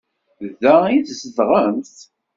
Da i tzedɣemt?